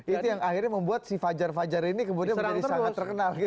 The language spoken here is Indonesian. itu yang akhirnya membuat si fajar fajar ini kemudian menjadi sangat terkenal gitu